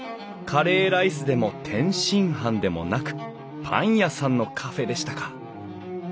カレーライスでも天津飯でもなくパン屋さんのカフェでしたか。